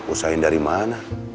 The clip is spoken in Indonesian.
usahain dari mana